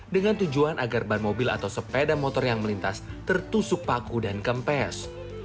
dengan tujuan agar ban mobil atau sepeda motor yang melintas tertusuk paku dan kempes